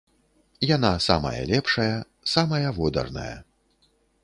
Яна самая лепшая, самая водарная.